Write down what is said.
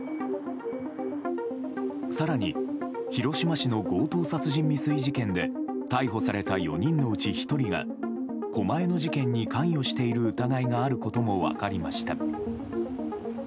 更に広島市の強盗殺人未遂事件で逮捕された４人のうち１人が狛江の事件に関与している疑いがあることも分かりました。